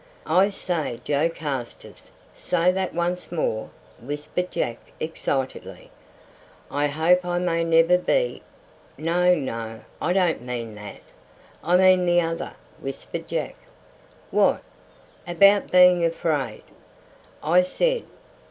"I say, Joe Carstairs, say that once more," whispered Jack excitedly. "I hope I may never be " "No, no, I don't mean that. I mean the other," whispered Jack. "What, about being afraid?" I said.